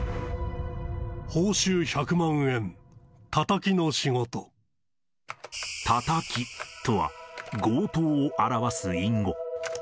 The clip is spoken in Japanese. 報酬１００万円、タタキの仕タタキとは、強盗を表す隠語。